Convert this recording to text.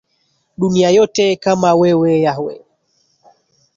Dunia yote kama wewe Yahweh